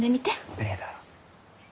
ありがとう。